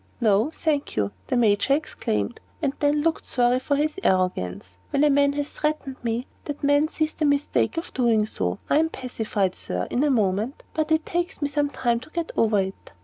"No, thank you!" the Major exclaimed, and then looked sorry for his arrogance. "When a man has threatened me, and that man sees the mistake of doing so, I am pacified, Sir, in a moment; but it takes me some time to get over it.